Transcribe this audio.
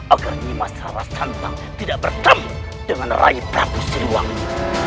agar nimas harasantang tidak bertemu dengan rai prabu siliwangi